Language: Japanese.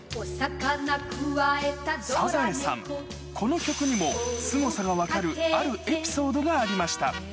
サザエさん、この曲にもすごさが分かるあるエピソードがありました。